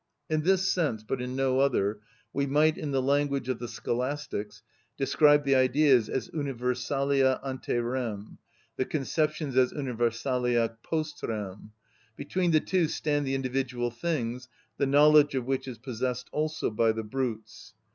In this sense (but in no other) we might, in the language of the Scholastics, describe the Ideas as universalia ante rem, the conceptions as universalia post rem. Between the two stand the individual things, the knowledge of which is possessed also by the brutes.